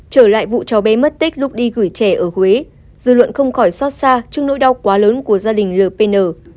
trở lại vụ cháu bé mất tích lúc đi gửi trẻ ở huế dư luận không khỏi xót xa trước nỗi đau quá lớn của gia đình lpn